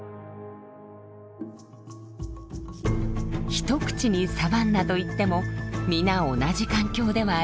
一口にサバンナと言っても皆同じ環境ではありません。